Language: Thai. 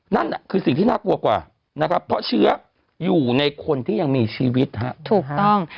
นั่นน่ะคือสิ่งที่น่ากลัวกว่านะครับเพราะเชื้ออยู่ในคนที่ยังมีชีวิตฮะถูกต้อง